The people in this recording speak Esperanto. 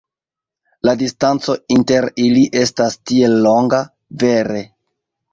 La distanco inter ili estas tiel longa, vere.